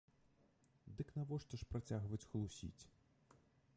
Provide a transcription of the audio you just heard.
Дык навошта ж працягваць хлусіць?